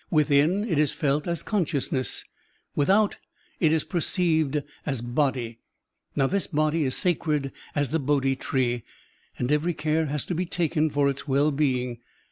Within, it is felt as consciousness; without, it is perceived as body. Now, this body is sacred as the Bodhi tree, and every care has to be taken for its well being.